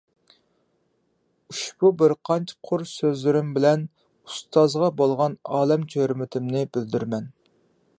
ئۇشبۇ بىرقانچە قۇر سۆزلىرىم بىلەن ئۇستازغا بولغان ئالەمچە ھۆرمىتىمنى بىلدۈرىمەن.